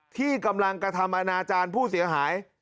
ที่กำลังกระทำอนาจารย์ผู้เสียหาย